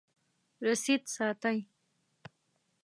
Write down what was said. رسید ساتئ؟